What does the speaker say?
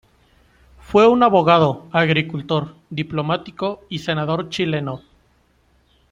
Fue un abogado, agricultor, diplomático y senador chileno.